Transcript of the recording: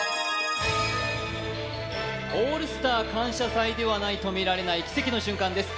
「オールスター感謝祭」でないと見られない奇跡の瞬間です。